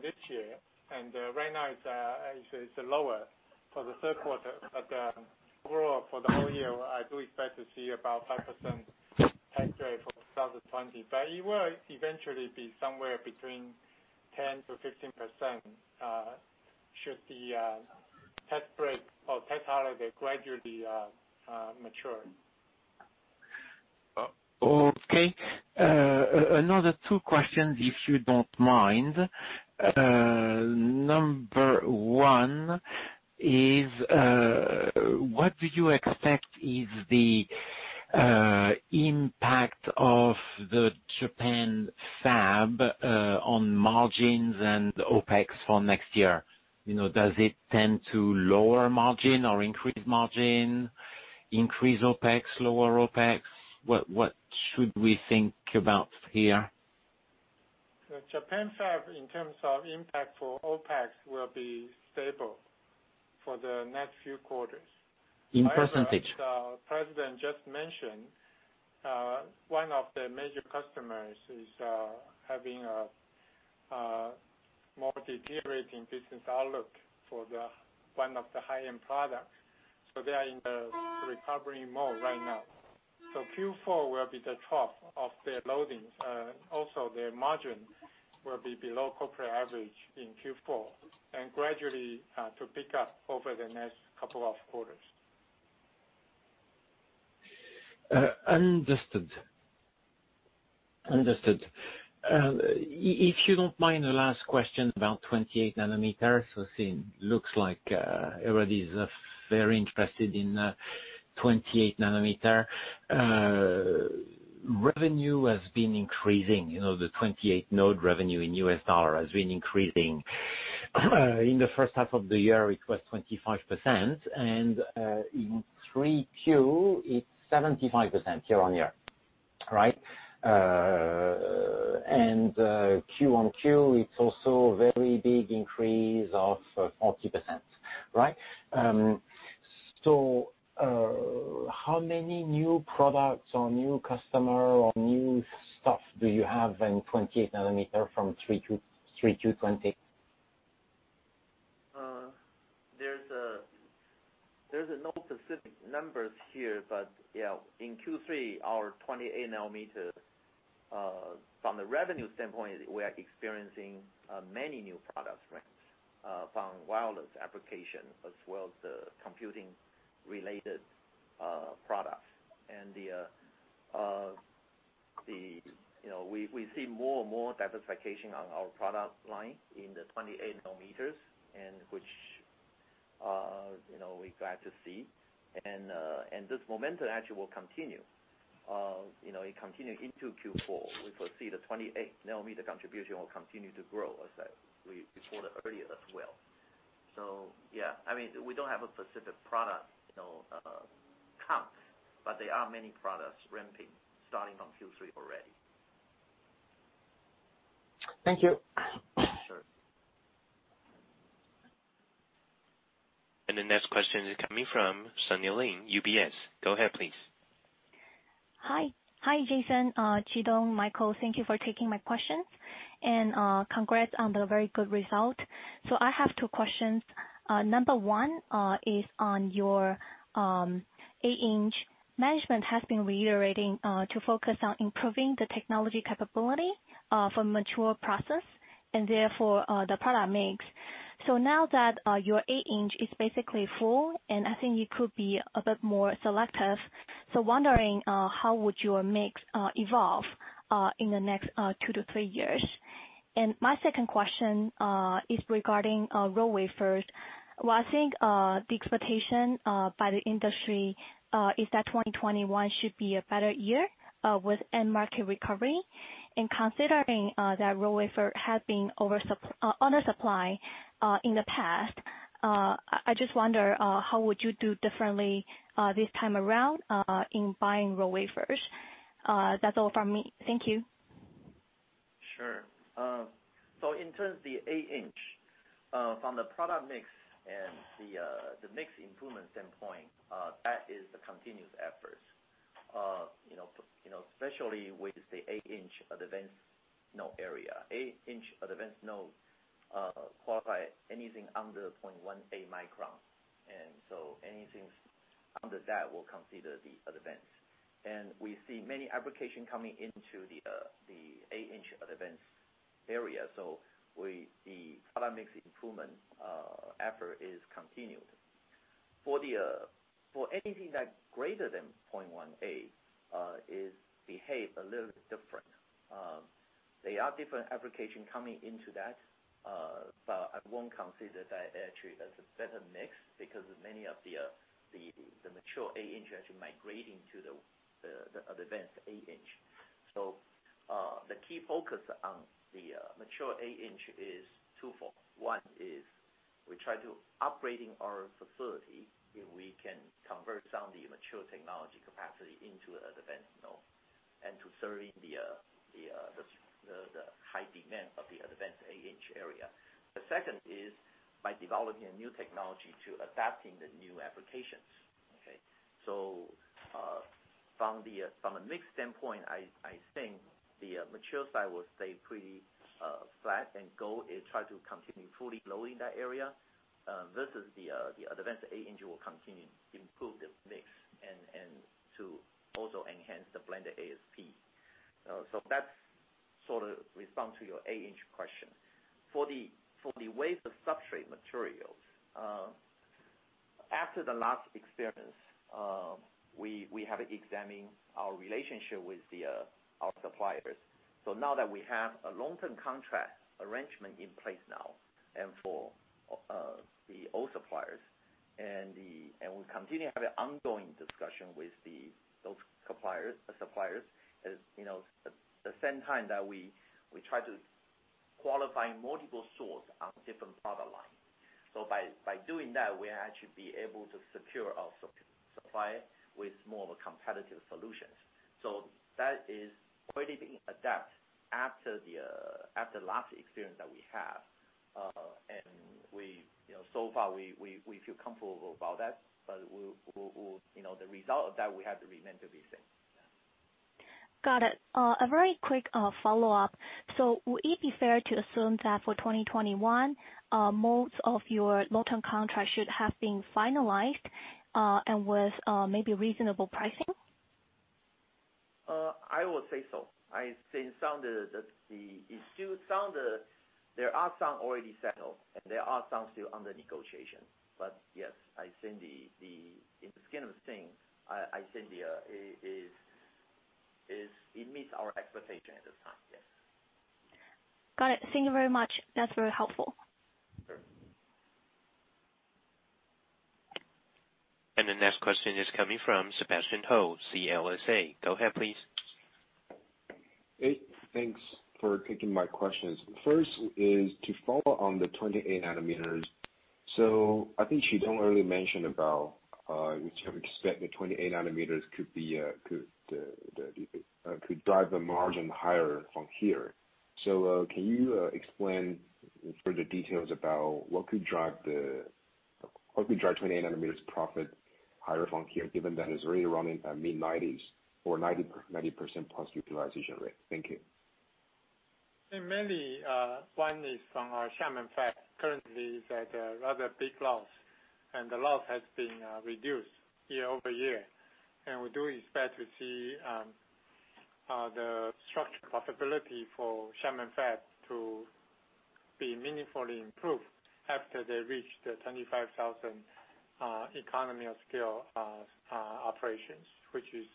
this year. And right now, it's lower for the third quarter. But overall, for the whole year, I do expect to see about 5% tax rate for 2020. But it will eventually be somewhere between 10%-15% should the tax break or tax holiday gradually mature. Okay. Another two questions, if you don't mind. Number one is, what do you expect is the impact of the Japan Fab on margins and OpEx for next year? Does it tend to lower margin or increase margin, increase OpEx, lower OpEx? What should we think about here? Japan Fab, in terms of impact for OpEx, will be stable for the next few quarters. In percentage? As the President just mentioned, one of the major customers is having a more deteriorating business outlook for one of the high-end products. So they are in the recovery mode right now. So Q4 will be the trough of their loading. Also, their margin will be below corporate average in Q4 and gradually to pick up over the next couple of quarters. Understood. Understood. If you don't mind, the last question about 28 nm. So it looks like everybody's very interested in 28 nm. Revenue has been increasing. The 28-node revenue in US dollar has been increasing. In the first half of the year, it was 25%. And in 3Q, it's 75% year on year, right? And QoQ, it's also a very big increase of 40%, right? So, how many new products or new customers, or new stuff do you have in 28 nm from 3Q20? There's no specific numbers here, but yeah, in Q3, our 28 nm, from the revenue standpoint, we are experiencing many new products from wireless application as well as the computing-related products. And we see more and more diversification on our product line in the 28-nm, which we're glad to see. And this momentum actually will continue. It continues into Q4. We foresee the 28 nm contribution will continue to grow as I reported earlier as well. So yeah, I mean, we don't have a specific product comp, but there are many products ramping starting from Q3 already. Thank you. Sure. The next question is coming from Sunny Lin, UBS. Go ahead, please. Hi. Hi, Jason, Chitung, Michael. Thank you for taking my questions. And congrats on the very good result. So I have two questions. Number one is on your 8-inch. Management has been reiterating to focus on improving the technology capability for mature process and therefore the product mix. So now that your 8-inch is basically full, and I think you could be a bit more selective, so wondering how would your mix evolve in the next two to three years? And my second question is regarding RF-SOI. Well, I think the expectation by the industry is that 2021 should be a better year with end market recovery. And considering that RF-SOI has been under-supplied in the past, I just wonder how would you do differently this time around in buying RF-SOI? That's all from me. Thank you. Sure. So in terms of the 8-inch, from the product mix and the mix improvement standpoint, that is a continuous effort, especially with the 8-inch advanced node area. 8-inch advanced node qualifies anything under 0.18 micron. And so anything under that will consider the advanced. And we see many applications coming into the 8-inch advanced area. So the product mix improvement effort is continued. For anything that's greater than 0.18, it behaves a little bit different. There are different applications coming into that, but I won't consider that actually as a better mix because many of the mature 8-inch are actually migrating to the advanced 8-inch. So the key focus on the mature 8-inch is twofold. One is we try to upgrade our facility if we can convert some of the mature technology capacity into an advanced node and to serve the high demand of the advanced 8-inch area. The second is by developing a new technology to adapt to the new applications. Okay? So from a mix standpoint, I think the mature side will stay pretty flat and go and try to continue fully loading that area versus the advanced 8-inch will continue to improve the mix and to also enhance the blended ASP. So that's sort of response to your 8-inch question. For the wafer substrate materials, after the last experience, we have examined our relationship with our suppliers. So now that we have a long-term contract arrangement in place and for the old suppliers, and we continue to have an ongoing discussion with those suppliers, at the same time that we try to qualify multiple sources on different product lines. So by doing that, we actually be able to secure our supply with more of a competitive solutions. So that is already being adapted after the last experience that we have. And so far, we feel comfortable about that. But the result of that, we have to remain to be seen. Got it. A very quick follow-up. So would it be fair to assume that for 2021, most of your long-term contracts should have been finalized and with maybe reasonable pricing? I will say so. I think it sounds like there are some already settled, and there are some still under negotiation. But yes, in the scheme of things, I think it meets our expectation at this time. Yes. Got it. Thank you very much. That's very helpful. Sure. The next question is coming from Sebastian Hou, CLSA. Go ahead, please. Hey. Thanks for taking my questions. First is to follow on the 28 nm. So I think Chitung already mentioned about what we expect the 28 nm could drive the margin higher from here. So can you explain further details about what could drive 28 nm profit higher from here, given that it's already running at mid-90s or 90% plus utilization rate? Thank you. Mainly one is from our Xiamen Fab. Currently, it's at a rather big loss. And the loss has been reduced year over year. And we do expect to see the structural profitability for Xiamen Fab to be meaningfully improved after they reach the 25,000 economies of scale operations, which is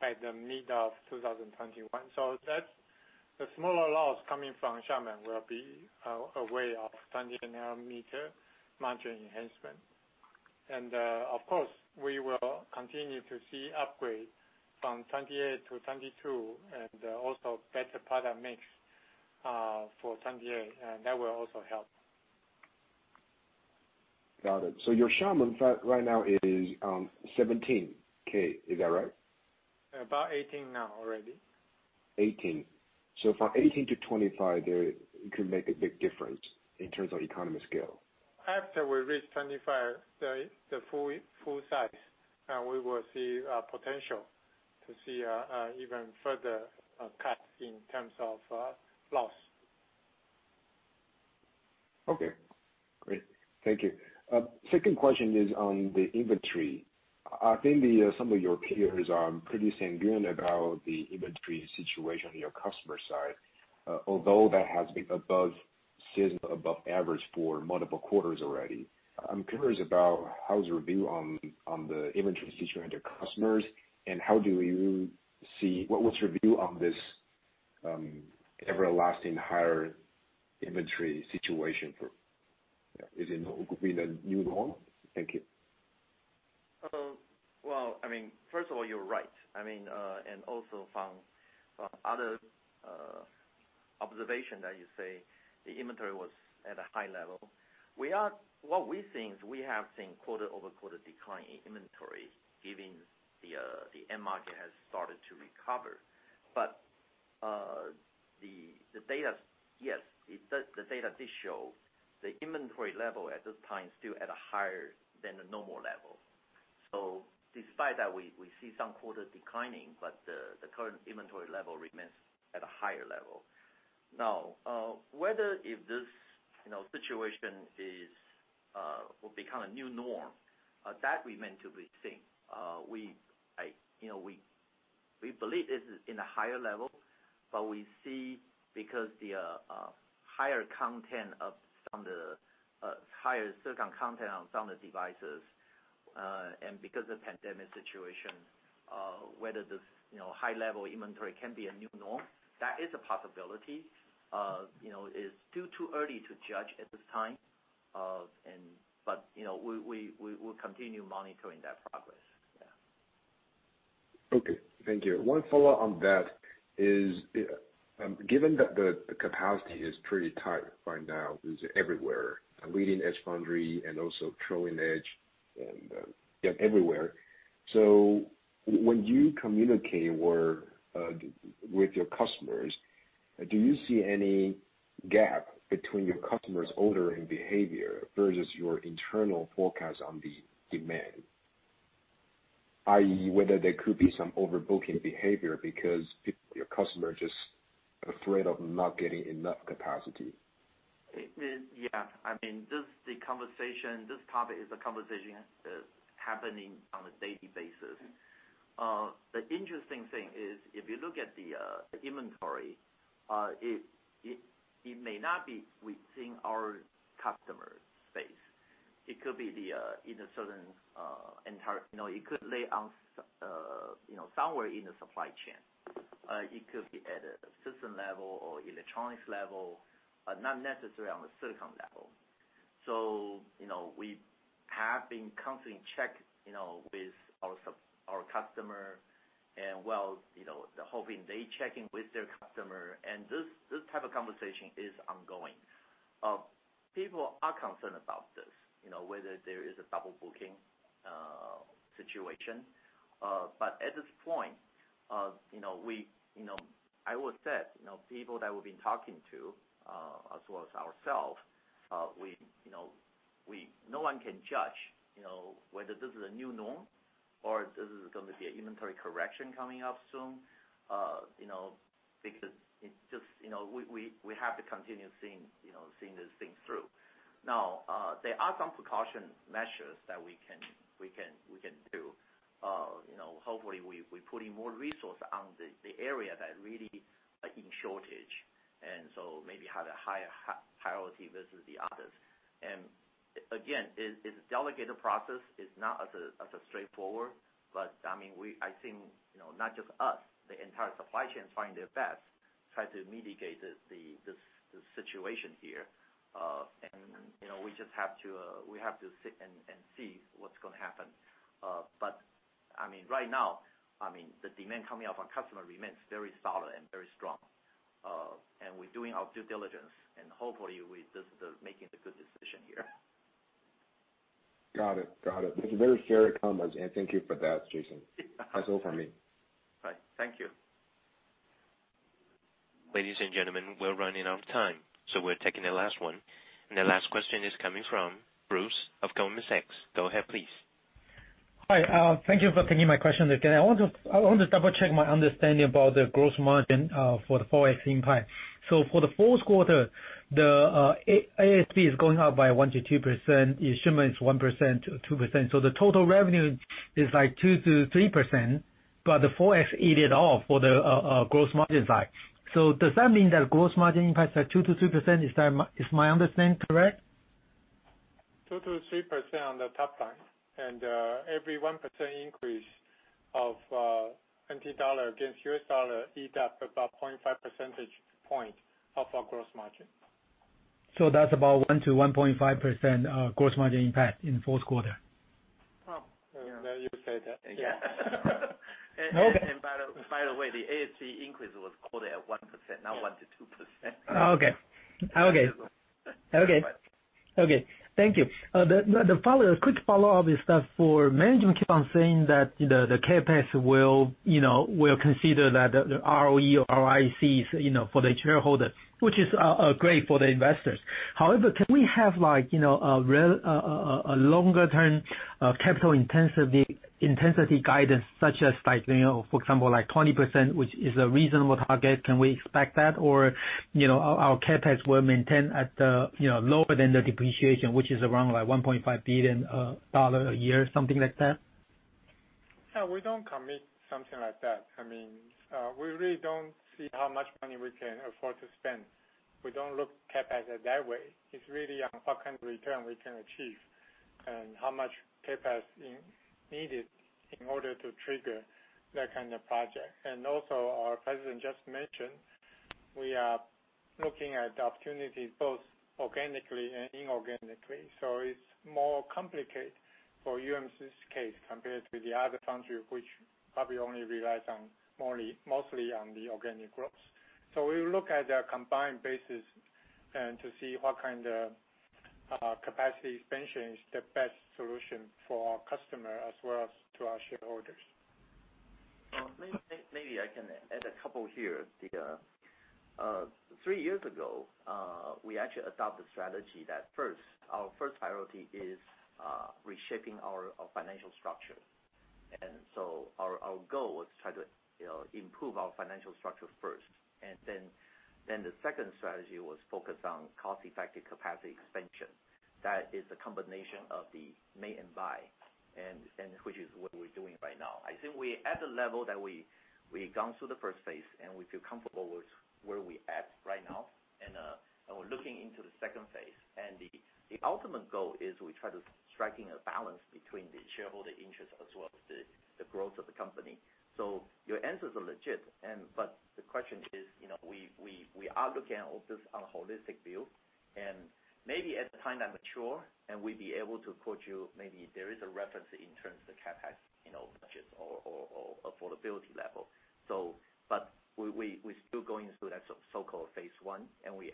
at the mid of 2021. So the smaller loss coming from Xiamen will be a way of 28 nm margin enhancement. And of course, we will continue to see upgrade from 28 to 22 and also better product mix for 28. And that will also help. Got it. So your Xiamen Fab right now is 17,000. Is that right? About 18 now already. So from 18 to 25, it could make a big difference in terms of economies of scale. After we reach 25, the full size, we will see potential to see even further cuts in terms of loss. Okay. Great. Thank you. Second question is on the inventory. I think some of your peers are pretty sanguine about the inventory situation on your customer side, although that has been above-sized, above average for multiple quarters already. I'm curious about how's the review on the inventory situation at your customers, and how do you see what's your view on this everlasting higher inventory situation? Is it going to be a new norm? Thank you. I mean, first of all, you're right. I mean, and also from other observations that you say, the inventory was at a high level. What we think is we have seen quarter-over-quarter decline in inventory, given the end market has started to recover. But the data, yes, the data did show the inventory level at this time is still at a higher than the normal level. So despite that, we see some quarter declining, but the current inventory level remains at a higher level. Now, whether if this situation will become a new norm, that remains to be seen. We believe this is in a higher level, but we see because the higher content of some of the higher silicon content on some of the devices, and because of the pandemic situation, whether this high-level inventory can be a new norm, that is a possibility. It's still too early to judge at this time, but we will continue monitoring that progress. Yeah. Okay. Thank you. One follow-up on that is, given that the capacity is pretty tight right now, it's everywhere, leading-edge foundry and also trailing edge and everywhere. So when you communicate with your customers, do you see any gap between your customers' ordering behavior versus your internal forecast on the demand, i.e., whether there could be some overbooking behavior because your customer is just afraid of not getting enough capacity? Yeah. I mean, this is the conversation. This topic is a conversation happening on a daily basis. The interesting thing is, if you look at the inventory, it may not be within our customer space. It could be in a certain entity. It could lie somewhere in the supply chain. It could be at a system level or electronics level, not necessarily on the silicon level. So we have been constantly checking with our customer. And well, the whole thing, they're checking with their customer. And this type of conversation is ongoing. People are concerned about this, whether there is a double booking situation. But at this point, I will say, people that we've been talking to, as well as ourselves, no one can judge whether this is a new norm or this is going to be an inventory correction coming up soon because it's just we have to continue seeing these things through. Now, there are some precaution measures that we can do. Hopefully, we're putting more resources on the area that really are in shortage. And so maybe have a higher priority versus the others. And again, it's a delegated process. It's not as straightforward. But I mean, I think not just us, the entire supply chain is trying their best, trying to mitigate this situation here. And we just have to sit and see what's going to happen. But I mean, right now, I mean, the demand coming out from customers remains very solid and very strong. We're doing our due diligence. Hopefully, this is making a good decision here. Got it. Got it. This is very shared comments. And thank you for that, Jason. That's all from me. All right. Thank you. Ladies and gentlemen, we're running out of time. So we're taking the last one. And the last question is coming from Bruce of Goldman Sachs. Go ahead, please. Hi. Thank you for taking my question again. I want to double-check my understanding about the gross margin for the FX impact. So for the fourth quarter, the ASP is going up by 1%-2%. The assumption is 1%-2%. So the total revenue is like 2%-3%, but the FX eats it off for the gross margin side. So does that mean that the gross margin impact is at 2%-3%? Is my understanding correct? 2%-3% on the top line. And every 1% increase of TWD against U.S. dollar eats up about 0.5 percentage point of our gross margin. That's about 1%-1.5% gross margin impact in the fourth quarter. Now you say that. Yeah. And by the way, the ASP increase was quoted at 1%, not 1%-2%. Okay. Thank you. The quick follow-up is that for management. On saying that the CapEx will consider that the ROE or ROIC for the shareholders, which is great for the investors. However, can we have a longer-term capital intensity guidance, such as, for example, 20%, which is a reasonable target? Can we expect that? Or our CapEx will maintain at lower than the depreciation, which is around $1.5 billion a year, something like that? No, we don't commit something like that. I mean, we really don't see how much money we can afford to spend. We don't look at CapEx that way. It's really on what kind of return we can achieve and how much CapEx is needed in order to trigger that kind of project, and also our president just mentioned we are looking at opportunities both organically and inorganically, so it's more complicated for UMC's case compared to the other foundry, which probably only relies mostly on the organic growth, so we look at a combined basis to see what kind of capacity expansion is the best solution for our customers as well as to our shareholders. Maybe I can add a couple here. Three years ago, we actually adopted a strategy that first, our first priority is reshaping our financial structure. Our goal was to try to improve our financial structure first. And then the second strategy was focused on cost-effective capacity expansion. That is a combination of the make and buy, which is what we're doing right now. I think we're at the level that we've gone through the first phase, and we feel comfortable with where we're at right now. And we're looking into the second phase. And the ultimate goal is we try to strike a balance between the shareholder interests as well as the growth of the company. So your answers are legit. But the question is, we are looking at this on a holistic view. And maybe at the time that mature, and we'd be able to quote you, maybe there is a reference in terms of the CapEx budgets or affordability level. But we're still going through that so-called phase one. And we're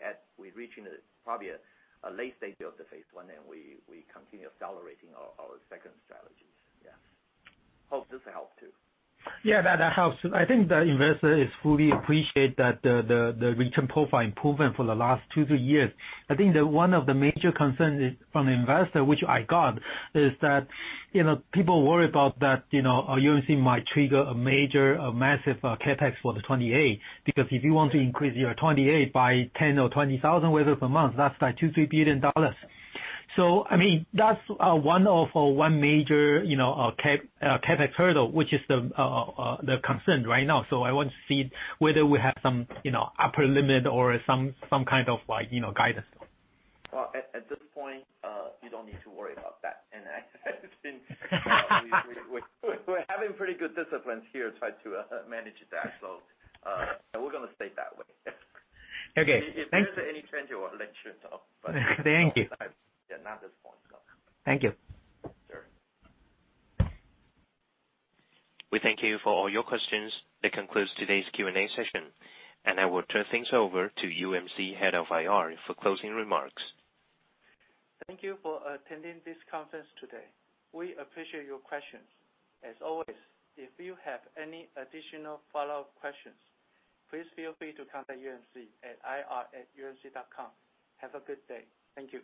reaching probably a late stage of the phase one, and we continue accelerating our second strategy. Yeah. Hope this helped too. Yeah, that helps. I think the investor is fully appreciating the return profile improvement for the last two to three years. I think that one of the major concerns from the investor, which I got, is that people worry about that UMC might trigger a major, massive CapEx for the 28 because if you want to increase your 28 by 10 or 20,000 wafers a month, that's like $2-3 billion. So I mean, that's one of our major CapEx hurdle, which is the concern right now. So I want to see whether we have some upper limit or some kind of guidance. At this point, you don't need to worry about that. We're having pretty good disciplines here trying to manage that. We're going to stay that way. If there's any change, I will let you know. Thank you. Yeah, not at this point. Thank you. Sure. We thank you for all your questions. That concludes today's Q&A session, and I will turn things over to UMC Head of IR for closing remarks. Thank you for attending this conference today. We appreciate your questions. As always, if you have any additional follow-up questions, please feel free to contact UMC at ir@umc.com. Have a good day. Thank you.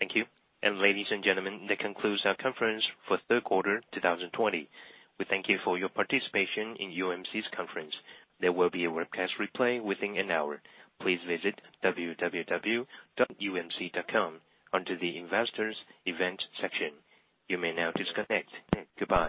Thank you. And ladies and gentlemen, that concludes our conference for third quarter 2020. We thank you for your participation in UMC's conference. There will be a webcast replay within an hour. Please visit www.umc.com under the investors event section. You may now disconnect. Goodbye.